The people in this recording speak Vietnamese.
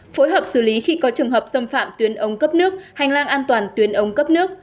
phối hợp xử lý khi có trường hợp xâm phạm tuyến ống cấp nước hành lang an toàn tuyến ống cấp nước